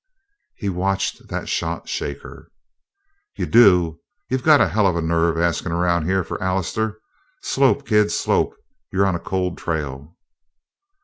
He watched that shot shake her. "You do? You got a hell of a nerve askin' around here for Allister! Slope, kid, slope. You're on a cold trail."